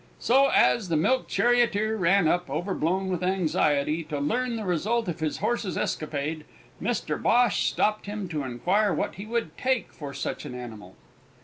So, as the milk charioteer ran up, overblown with anxiety, to learn the result of his horse's escapade, Mr Bhosh stopped him to inquire what he would take for such an animal.